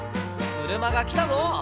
車が来たぞ。